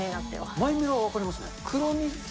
マイメロは分かりますね。